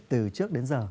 từ trước đến giờ